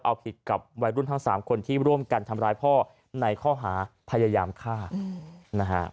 เอาผิดกับวัยรุ่นทั้ง๓คนที่ร่วมกันทำร้ายพ่อในข้อหาพยายามฆ่านะฮะ